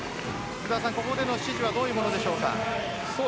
ここでの指示はどういうものでしょうか。